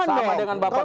sama dengan tadi pak